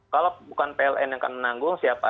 kalau bukan pln yang akan menanggung siapa